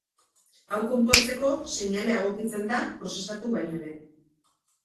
Hau konpontzeko, seinalea egokitzen da prozesatu baino lehen.